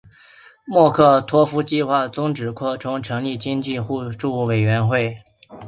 莫洛托夫计划最终扩充成立经济互助委员会。